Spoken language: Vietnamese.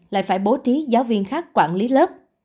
lại phải bố trí giáo viên khác quản lý lớp